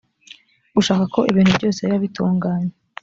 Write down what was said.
gushaka ko ibintu byose biba bitunganye